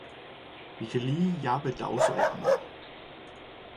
Vi kan lige jappe dagsordenen